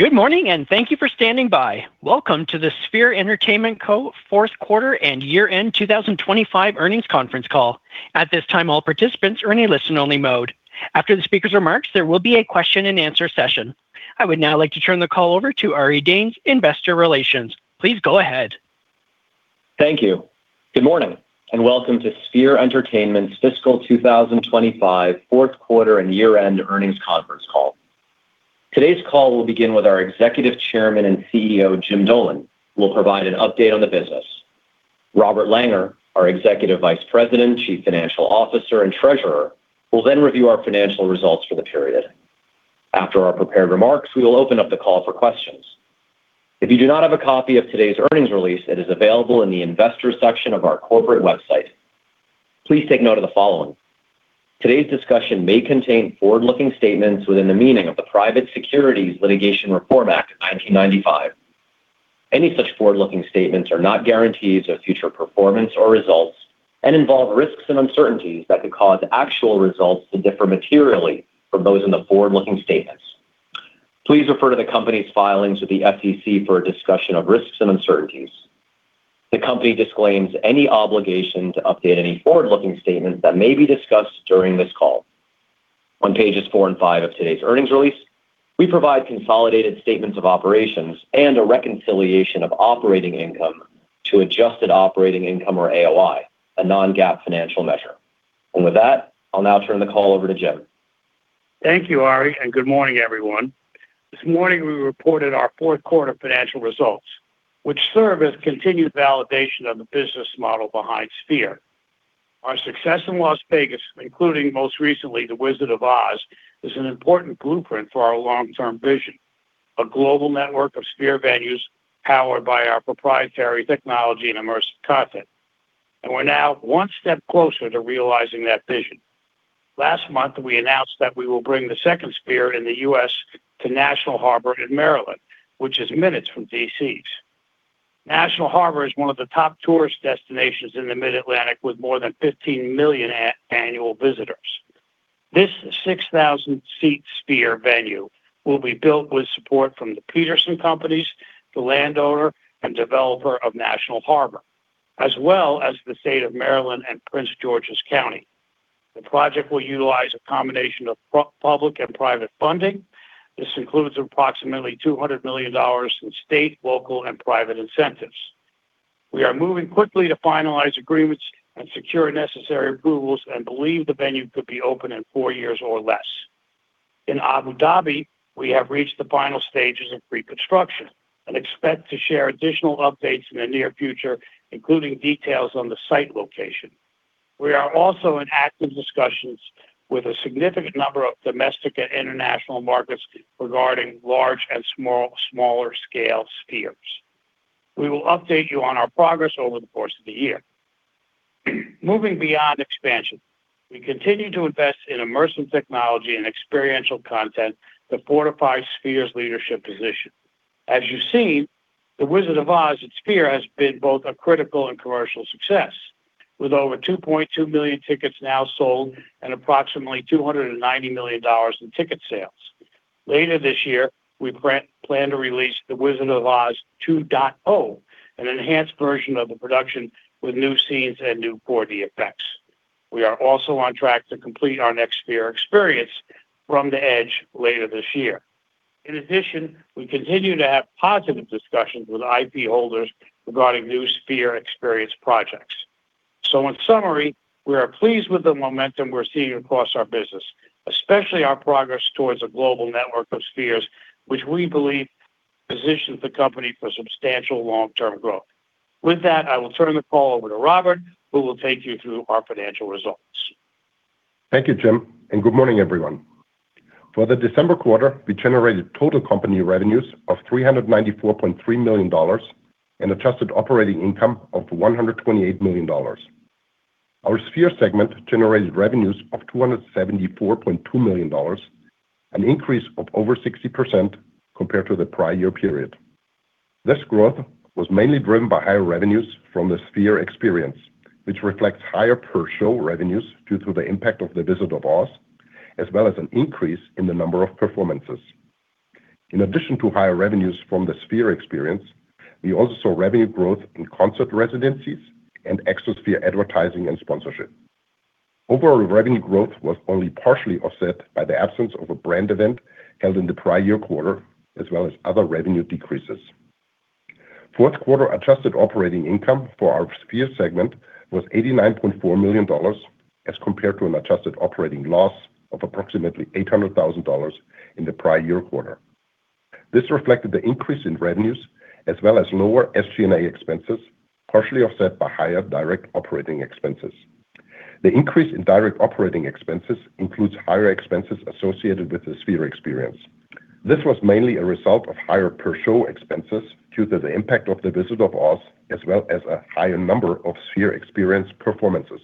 Good morning, and thank you for standing by. Welcome to the Sphere Entertainment Co. fourth quarter and year-end 2025 earnings conference call. At this time, all participants are in a listen-only mode. After the speaker's remarks, there will be a question-and-answer session. I would now like to turn the call over to Ari Danes, Investor Relations. Please go ahead. Thank you. Good morning, and welcome to Sphere Entertainment's fiscal 2025 fourth quarter and year-end earnings conference call. Today's call will begin with our Executive Chairman and CEO, Jim Dolan, who will provide an update on the business. Robert Langer, our Executive Vice President, Chief Financial Officer, and Treasurer, will then review our financial results for the period. After our prepared remarks, we will open up the call for questions. If you do not have a copy of today's earnings release, it is available in the Investors section of our corporate website. Please take note of the following: Today's discussion may contain forward-looking statements within the meaning of the Private Securities Litigation Reform Act of 1995. Any such forward-looking statements are not guarantees of future performance or results and involve risks and uncertainties that could cause actual results to differ materially from those in the forward-looking statements. Please refer to the company's filings with the SEC for a discussion of risks and uncertainties. The company disclaims any obligation to update any forward-looking statements that may be discussed during this call. On pages 4 and 5 of today's earnings release, we provide consolidated statements of operations and a reconciliation of operating income to adjusted operating income, or AOI, a non-GAAP financial measure. With that, I'll now turn the call over to Jim. Thank you, Ari, and good morning, everyone. This morning, we reported our fourth quarter financial results, which serve as continued validation of the business model behind Sphere. Our success in Las Vegas, including most recently, The Wizard of Oz, is an important blueprint for our long-term vision, a global network of Sphere venues powered by our proprietary technology and immersive content, and we're now one step closer to realizing that vision. Last month, we announced that we will bring the second Sphere in the U.S. to National Harbor in Maryland, which is minutes from D.C. National Harbor is one of the top tourist destinations in the Mid-Atlantic, with more than 15 million annual visitors. This 6,000-seat Sphere venue will be built with support from the Peterson Companies, the landowner and developer of National Harbor, as well as the state of Maryland and Prince George's County. The project will utilize a combination of public and private funding. This includes approximately $200 million in state, local, and private incentives. We are moving quickly to finalize agreements and secure necessary approvals and believe the venue could be open in four years or less. In Abu Dhabi, we have reached the final stages of pre-construction and expect to share additional updates in the near future, including details on the site location. We are also in active discussions with a significant number of domestic and international markets regarding large and smaller scale Spheres. We will update you on our progress over the course of the year. Moving beyond expansion, we continue to invest in immersive technology and experiential content to fortify Sphere's leadership position. As you've seen, The Wizard of Oz at Sphere has been both a critical and commercial success, with over 2.2 million tickets now sold and approximately $290 million in ticket sales. Later this year, we plan to release The Wizard of Oz 2.0, an enhanced version of the production with new scenes and new 4D effects. We are also on track to complete our next Sphere Experience, From the Edge, later this year. In addition, we continue to have positive discussions with IP holders regarding new Sphere Experience projects. So in summary, we are pleased with the momentum we're seeing across our business, especially our progress towards a global network of Spheres, which we believe positions the company for substantial long-term growth. With that, I will turn the call over to Robert, who will take you through our financial results. Thank you, Jim, and good morning, everyone. For the December quarter, we generated total company revenues of $394.3 million and adjusted operating income of $128 million. Our Sphere segment generated revenues of $274.2 million, an increase of over 60% compared to the prior year period. This growth was mainly driven by higher revenues from the Sphere Experience, which reflects higher per-show revenues due to the impact of The Wizard of Oz, as well as an increase in the number of performances. In addition to higher revenues from the Sphere Experience, we also saw revenue growth in concert residencies and Exosphere advertising and sponsorship. Overall, revenue growth was only partially offset by the absence of a brand event held in the prior year quarter, as well as other revenue decreases. Fourth quarter adjusted operating income for our Sphere segment was $89.4 million, as compared to an adjusted operating loss of approximately $800,000 in the prior year quarter. This reflected the increase in revenues as well as lower SG&A expenses, partially offset by higher direct operating expenses. The increase in direct operating expenses includes higher expenses associated with the Sphere Experience. This was mainly a result of higher per-show expenses due to the impact of The Wizard of Oz, as well as a higher number of Sphere Experience performances.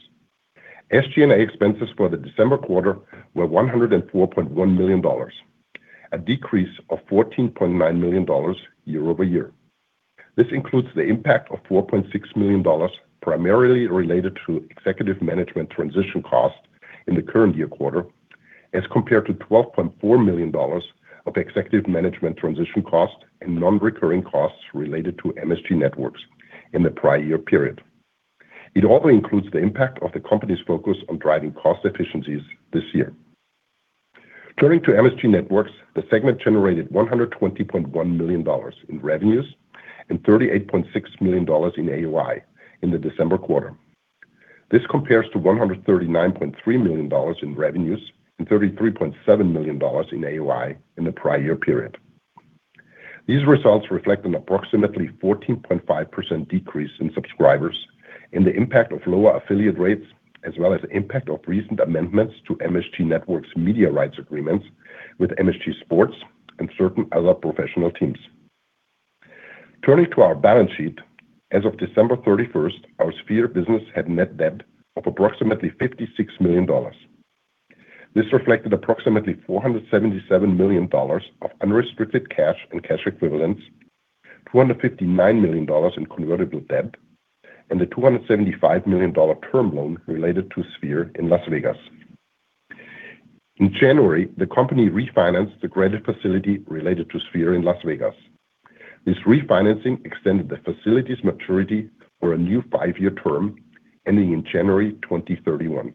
SG&A expenses for the December quarter were $104.1 million, a decrease of $14.9 million year-over-year.... This includes the impact of $4.6 million, primarily related to executive management transition costs in the current year quarter, as compared to $12.4 million of executive management transition costs and non-recurring costs related to MSG Networks in the prior year period. It also includes the impact of the company's focus on driving cost efficiencies this year. Turning to MSG Networks, the segment generated $120.1 million in revenues and $38.6 million in AOI in the December quarter. This compares to $139.3 million in revenues and $33.7 million in AOI in the prior year period. These results reflect an approximately 14.5% decrease in subscribers and the impact of lower affiliate rates, as well as the impact of recent amendments to MSG Networks media rights agreements with MSG Sports and certain other professional teams. Turning to our balance sheet, as of December 31st, our Sphere business had net debt of approximately $56 million. This reflected approximately $477 million of unrestricted cash and cash equivalents, $259 million in convertible debt, and a $275 million term loan related to Sphere in Las Vegas. In January, the company refinanced the credit facility related to Sphere in Las Vegas. This refinancing extended the facility's maturity for a new five-year term, ending in January 2031,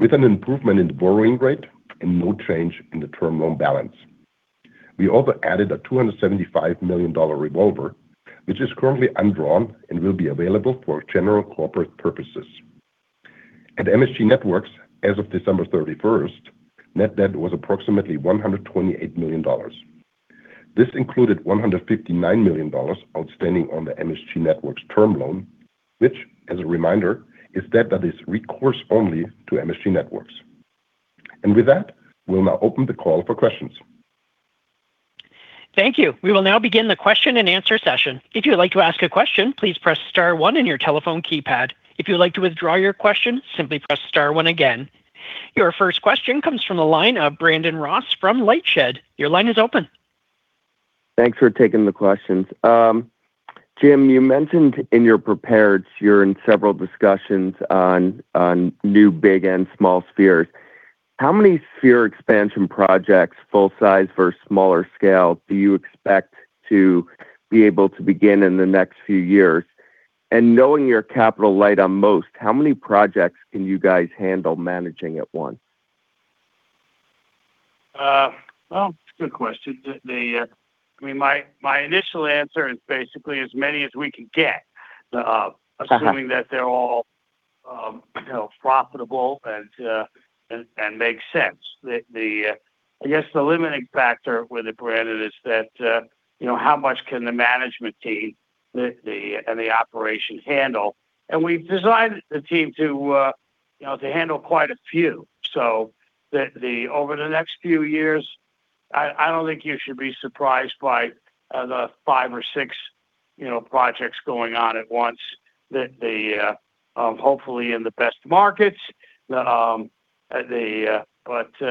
with an improvement in the borrowing rate and no change in the term loan balance. We also added a $275 million revolver, which is currently undrawn and will be available for general corporate purposes. At MSG Networks, as of December 31, net debt was approximately $128 million. This included $159 million outstanding on the MSG Networks term loan, which, as a reminder, is debt that is recourse only to MSG Networks. And with that, we'll now open the call for questions. Thank you. We will now begin the question-and-answer session. If you would like to ask a question, please press star one on your telephone keypad. If you would like to withdraw your question, simply press star one again. Your first question comes from the line of Brandon Ross from LightShed. Your line is open. Thanks for taking the questions. Jim, you mentioned in your prepared you're in several discussions on new, big, and small Spheres. How many Sphere expansion projects, full size versus smaller scale, do you expect to be able to begin in the next few years? And knowing you're capital light on most, how many projects can you guys handle managing at once? Well, it's a good question. I mean, my initial answer is basically as many as we can get, assuming that they're all, you know, profitable and make sense. I guess the limiting factor with it, Brandon, is that, you know, how much can the management team and the operation handle? And we've designed the team to, you know, to handle quite a few. So over the next few years, I don't think you should be surprised by the 5 or 6, you know, projects going on at once. Hopefully in the best markets... But, you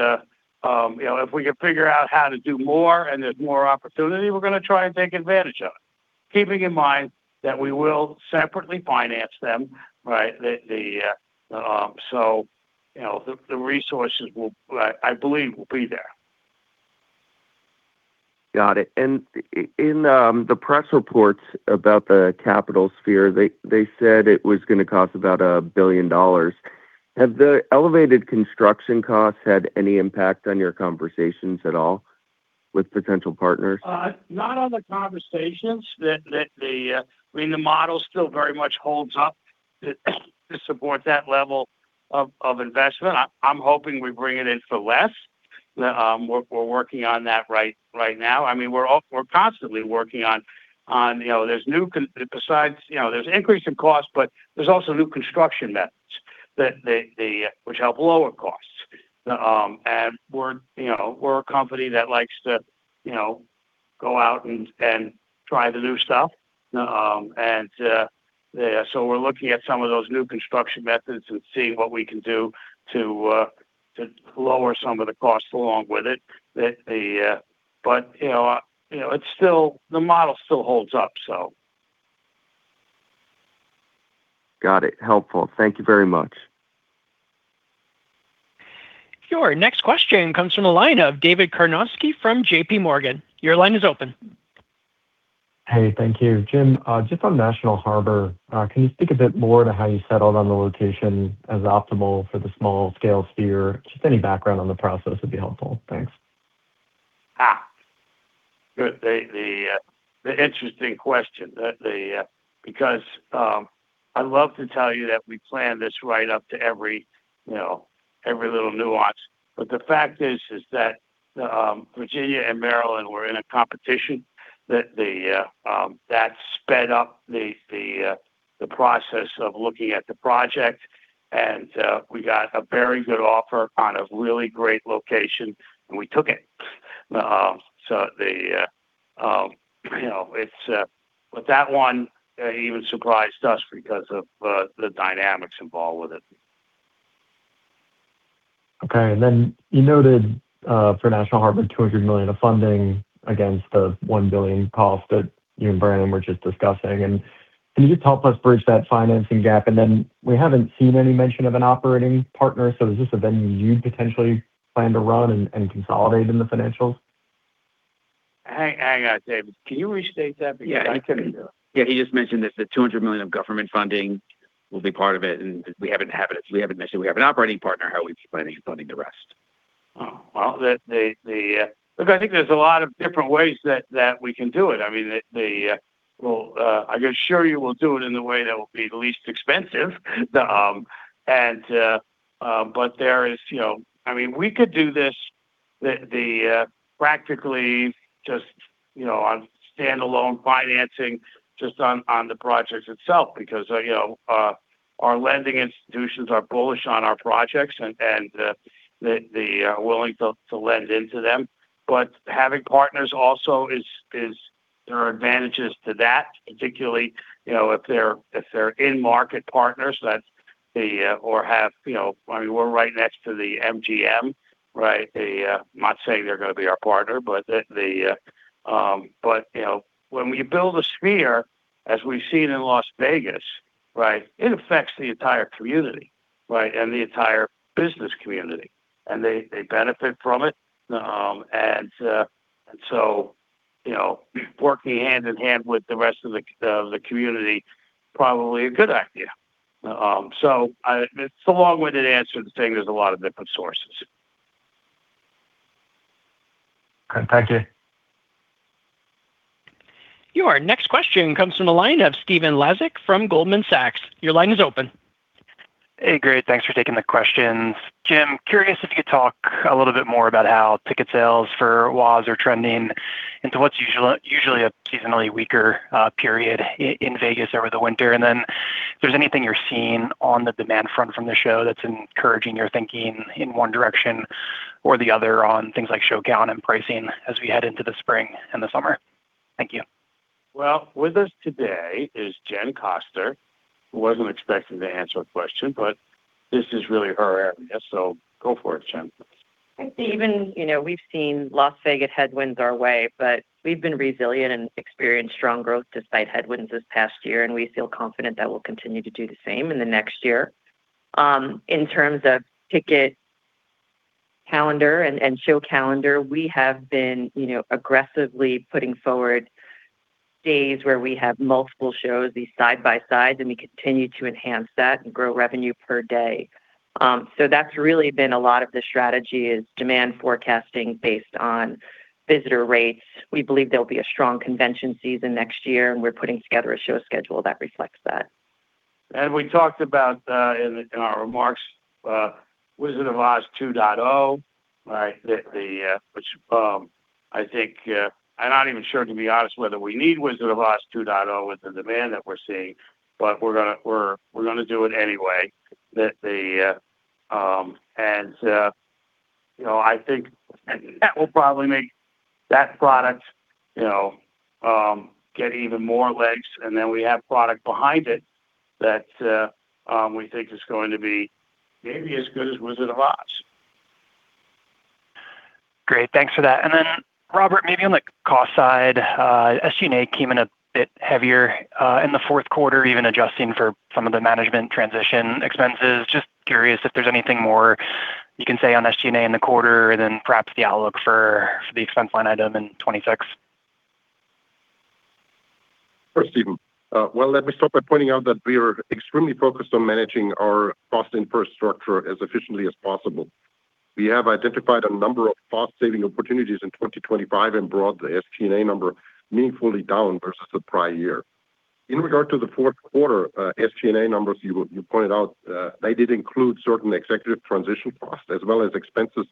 know, if we can figure out how to do more and there's more opportunity, we're going to try and take advantage of it, keeping in mind that we will separately finance them, right? So, you know, the resources will, I believe, be there. Got it. And in the press reports about the Capital Sphere, they said it was going to cost about a billion dollars. Have the elevated construction costs had any impact on your conversations at all with potential partners? Not on the conversations. I mean, the model still very much holds up to support that level of investment. I'm hoping we bring it in for less. We're working on that right now. I mean, we're constantly working on, you know, besides, you know, there's increase in cost, but there's also new construction methods that which help lower costs. And we're a company that likes to go out and try the new stuff. So we're looking at some of those new construction methods and seeing what we can do to lower some of the costs along with it. But, you know, it's still, the model still holds up, so. Got it. Helpful. Thank you very much. Your next question comes from the line of David Karnovsky from JPMorgan. Your line is open. Hey, thank you. Jim, just on National Harbor, can you speak a bit more to how you settled on the location as optimal for the small-scale Sphere? Just any background on the process would be helpful. Thanks. Ah, good. The interesting question. Because I'd love to tell you that we planned this right up to every, you know, every little nuance, but the fact is that Virginia and Maryland were in a competition that sped up the process of looking at the project, and we got a very good offer on a really great location, and we took it. So, you know, it's with that one, it even surprised us because of the dynamics involved with it.... Okay, and then you noted for National Harbor, $200 million of funding against the $1 billion cost that you and Brandon were just discussing. And can you just help us bridge that financing gap? And then we haven't seen any mention of an operating partner, so is this a venue you'd potentially plan to run and consolidate in the financials? Hang, hang on, David. Can you restate that because I couldn't- Yeah. Yeah, he just mentioned that the $200 million of government funding will be part of it, and we haven't had it. We haven't mentioned we have an operating partner. How are we planning on funding the rest? Oh, well... Look, I think there's a lot of different ways that we can do it. I mean, well, I can assure you we'll do it in a way that will be the least expensive. But there is, you know—I mean, we could do this practically just, you know, on standalone financing, just on the project itself. Because, you know, our lending institutions are bullish on our projects and they are willing to lend into them. But having partners also is—there are advantages to that, particularly, you know, if they're in-market partners, that's the... Or have, you know, I mean, we're right next to the MGM, right? I'm not saying they're gonna be our partner, but you know, when we build a Sphere, as we've seen in Las Vegas, right, it affects the entire community, right, and the entire business community, and they benefit from it. And so, you know, working hand in hand with the rest of the community, probably a good idea. So it's a long-winded answer to say there's a lot of different sources. Okay, thank you. Your next question comes from the line of Stephen Laszczyk from Goldman Sachs Group, Inc.. Your line is open. Hey, great. Thank for taking the questions. Jim, curious if you could talk a little bit more about how ticket sales for Oz are trending into what's usually a seasonally weaker period in Vegas over the winter. And then if there's anything you're seeing on the demand front from the show that's encouraging your thinking in one direction or the other on things like show count and pricing as we head into the spring and the summer. Thank you. Well, with us today is Jen Koester, who wasn't expecting to answer a question, but this is really her area, so go for it, Jen. Hey, Stephen. You know, we've seen Las Vegas headwinds our way, but we've been resilient and experienced strong growth despite headwinds this past year, and we feel confident that we'll continue to do the same in the next year. In terms of ticket calendar and show calendar, we have been, you know, aggressively putting forward days where we have multiple shows, these side by sides, and we continue to enhance that and grow revenue per day. So that's really been a lot of the strategy, is demand forecasting based on visitor rates. We believe there will be a strong convention season next year, and we're putting together a show schedule that reflects that. And we talked about, in our remarks, Wizard of Oz 2.0, right? I think I'm not even sure, to be honest, whether we need Wizard of Oz 2.0 with the demand that we're seeing, but we're gonna do it anyway. That, you know, I think that will probably make that product, you know, get even more legs. And then we have product behind it that we think is going to be maybe as good as Wizard of Oz. Great, thanks for that. And then, Robert, maybe on the cost side, SG&A came in a bit heavier, in the fourth quarter, even adjusting for some of the management transition expenses. Just curious if there's anything more you can say on SG&A in the quarter and then perhaps the outlook for, for the expense line item in 2026? Sure, Stephen. Well, let me start by pointing out that we are extremely focused on managing our cost infrastructure as efficiently as possible. We have identified a number of cost-saving opportunities in 2025 and brought the SG&A number meaningfully down versus the prior year. In regard to the fourth quarter, SG&A numbers, you pointed out, they did include certain executive transition costs, as well as expenses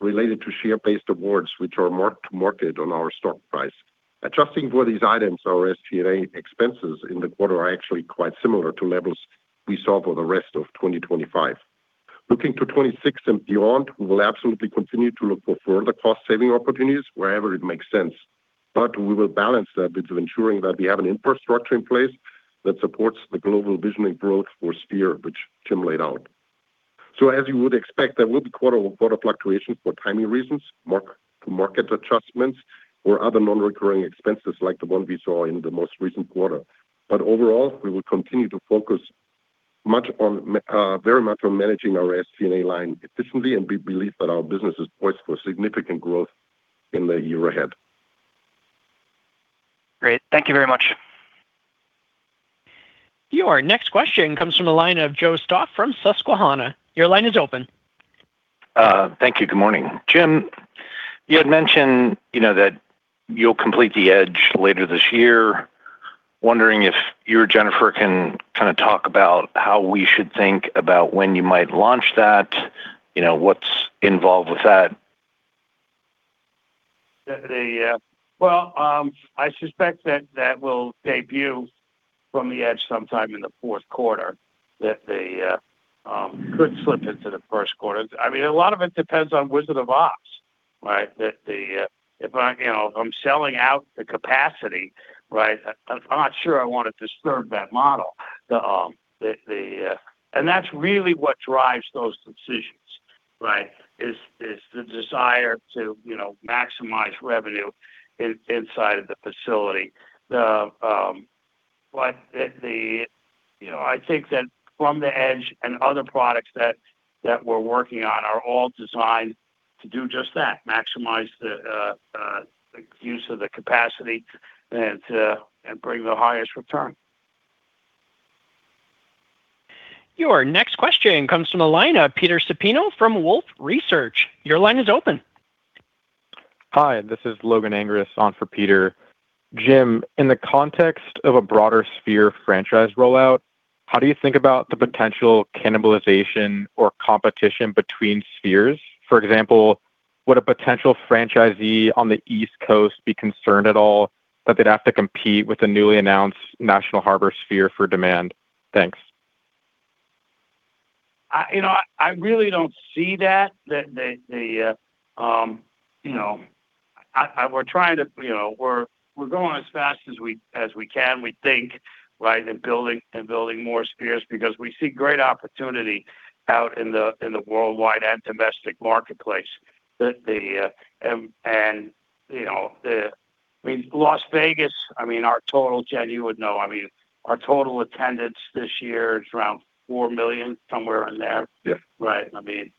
related to share-based awards, which are marked to market on our stock price. Adjusting for these items, our SG&A expenses in the quarter are actually quite similar to levels we saw for the rest of 2025. Looking to 2026 and beyond, we will absolutely continue to look for further cost-saving opportunities wherever it makes sense. But we will balance that with ensuring that we have an infrastructure in place that supports the global visionary growth for Sphere, which Jim laid out. So as you would expect, there will be quarter-over-quarter fluctuations for timing reasons, mark-to-market adjustments, or other non-recurring expenses like the one we saw in the most recent quarter. But overall, we will continue to focus very much on managing our SG&A line efficiently, and we believe that our business is poised for significant growth in the year ahead. Great. Thank you very much. Your next question comes from the line of Joe Stauffk from Susquehanna. Your line is open. Thank you. Good morning. Jim, you had mentioned, you know, that you'll complete the Edge later this year. Wondering if you or Jennifer can kind of talk about how we should think about when you might launch that? You know, what's involved with that? Well, I suspect that that will debut From the Edge sometime in the fourth quarter, that that could slip into the first quarter. I mean, a lot of it depends on Wizard of Oz. Right, that if I, you know, I'm selling out the capacity, right? I'm not sure I want to disturb that model. The—and that's really what drives those decisions, right? Is the desire to, you know, maximize revenue inside of the facility. But the, you know, I think that From the Edge and other products that we're working on are all designed to do just that, maximize the use of the capacity and bring the highest return. Your next question comes from the line of Peter Supino from Wolfe Research. Your line is open. Hi, this is Logan Angress on for Peter. Jim, in the context of a broader Sphere franchise rollout, how do you think about the potential cannibalization or competition between Spheres? For example, would a potential franchisee on the East Coast be concerned at all that they'd have to compete with the newly announced National Harbor Sphere for demand? Thanks. You know, I really don't see that. We're trying to, you know, we're going as fast as we can, we think, right, in building more Spheres because we see great opportunity out in the worldwide and domestic marketplace. I mean, Las Vegas, I mean, our total, Jen, you would know, I mean, our total attendance this year is around 4 million, somewhere in there. Yeah. Right. I mean,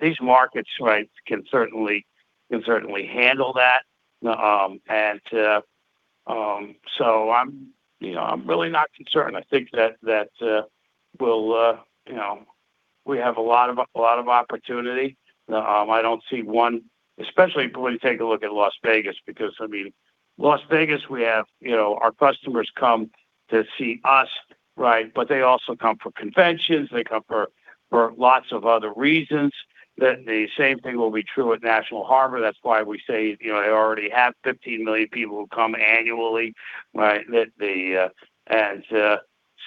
these markets, right, can certainly handle that. So I'm, you know, I'm really not concerned. I think that we'll, you know, we have a lot of opportunity. I don't see one, especially when you take a look at Las Vegas, because, I mean, Las Vegas, we have, you know, our customers come to see us, right? But they also come for conventions, they come for lots of other reasons. The same thing will be true at National Harbor. That's why we say, you know, they already have 15 million people who come annually, right?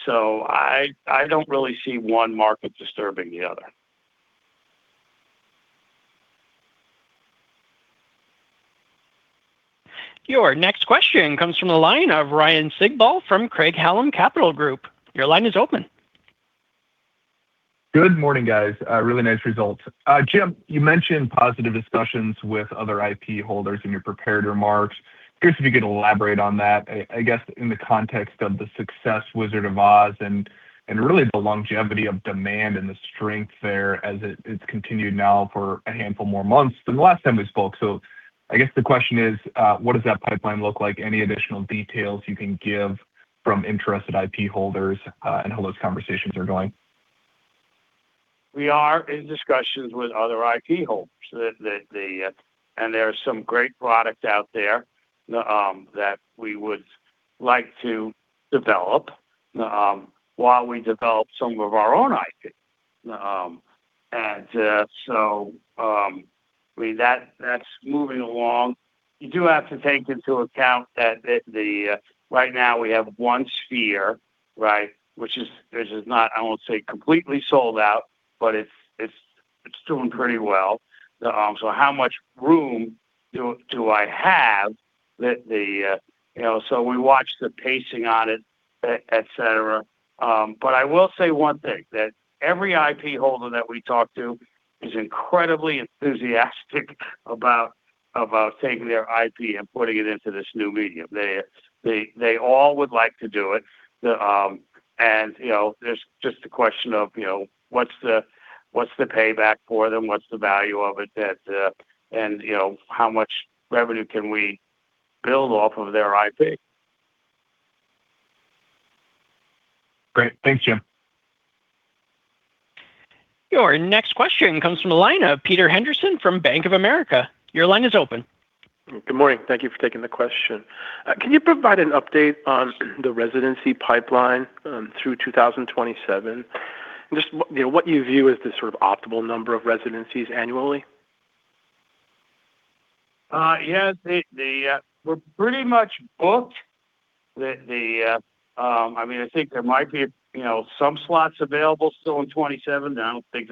So I don't really see one market disturbing the other. Your next question comes from the line of Ryan Sigdahl from Craig-Hallum Capital Group. Your line is open. Good morning, guys. Really nice results. Jim, you mentioned positive discussions with other IP holders in your prepared remarks. Curious if you could elaborate on that, I, I guess, in the context of the success Wizard of Oz and, and really the longevity of demand and the strength there as it, it's continued now for a handful more months than the last time we spoke. So I guess the question is, what does that pipeline look like? Any additional details you can give from interested IP holders, and how those conversations are going? We are in discussions with other IP holders. And there are some great products out there that we would like to develop while we develop some of our own IP. That's moving along. You do have to take into account that right now we have one Sphere, right? Which is not, I won't say completely sold out, but it's doing pretty well. So how much room do I have... You know, so we watch the pacing on it, et cetera. But I will say one thing, that every IP holder that we talk to is incredibly enthusiastic about taking their IP and putting it into this new medium. They all would like to do it. you know, there's just a question of, you know, what's the payback for them? What's the value of it? That, and, you know, how much revenue can we build off of their IP? Great. Thanks, Jim. Your next question comes from the line of Peter Henderson from Bank of America. Your line is open. Good morning. Thank you for taking the question. Can you provide an update on the residency pipeline through 2027? And just, you know, what you view as the sort of optimal number of residencies annually. Yes, we're pretty much booked. I mean, I think there might be, you know, some slots available still in 2027. I don't think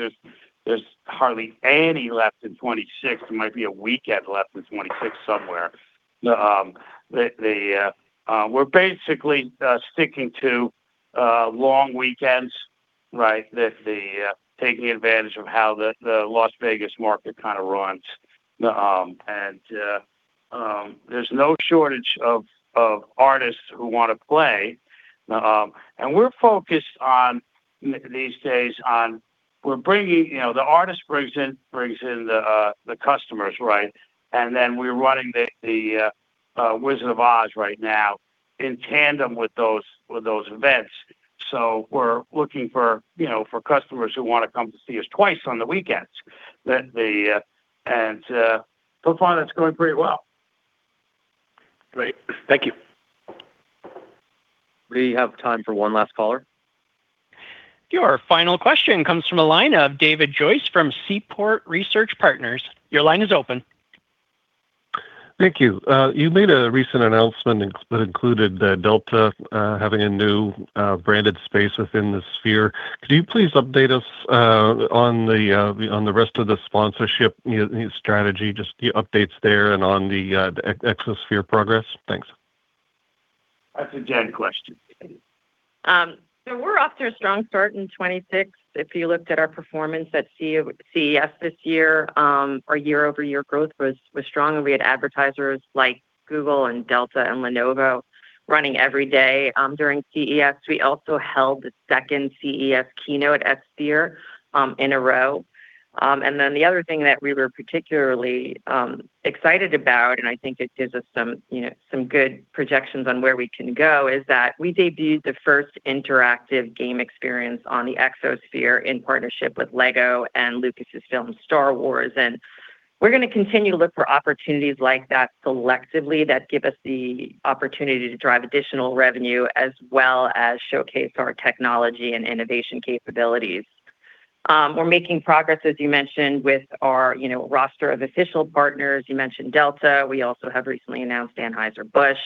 there's hardly any left in 2026. There might be a weekend left in 2026 somewhere. We're basically sticking to long weekends, right? Taking advantage of how the Las Vegas market kind of runs. And there's no shortage of artists who want to play. And we're focused on, these days, on we're bringing, you know, the artist brings in the customers, right? And then we're running the Wizard of Oz right now in tandem with those events. So we're looking for, you know, for customers who want to come to see us twice on the weekends. So far, that's going pretty well. Great. Thank you. We have time for one last caller. Your final question comes from the line of David Joyce from Seaport Research Partners. Your line is open. Thank you. You made a recent announcement that included Delta having a new branded space within the Sphere. Could you please update us on the rest of the sponsorship strategy, just the updates there and on the Exosphere progress? Thanks. That's a Jen question. We're off to a strong start in 2026. If you looked at our performance at CES this year, our year-over-year growth was strong, and we had advertisers like Google and Delta and Lenovo running every day during CES. We also held the second CES keynote at Sphere in a row. The other thing that we were particularly excited about, and I think it gives us some, you know, some good projections on where we can go, is that we debuted the first interactive game experience on the Exosphere in partnership with LEGO and Lucasfilm's Star Wars. We're going to continue to look for opportunities like that selectively, that give us the opportunity to drive additional revenue, as well as showcase our technology and innovation capabilities. We're making progress, as you mentioned, with our, you know, roster of official partners. You mentioned Delta. We also have recently announced Anheuser-Busch,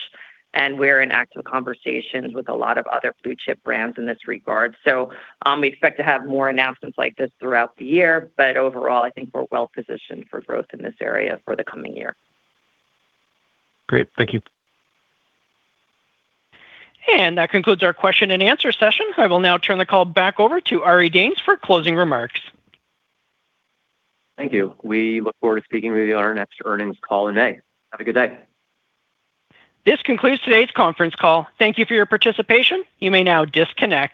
and we're in active conversations with a lot of other blue-chip brands in this regard. So, we expect to have more announcements like this throughout the year, but overall, I think we're well positioned for growth in this area for the coming year. Great. Thank you. That concludes our question and answer session. I will now turn the call back over to Ari Danes for closing remarks. Thank you. We look forward to speaking with you on our next earnings call in May. Have a good day. This concludes today's conference call. Thank you for your participation. You may now disconnect.